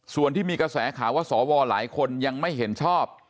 ส่วนที่มีกระแสข่าวว่าสวหลายคนยังไม่เห็นชอบ